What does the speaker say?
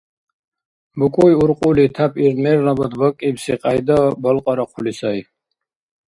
БукӀуй уркьули тяп ил мерлабад бакӀибси кьяйда балкьарахъули сай.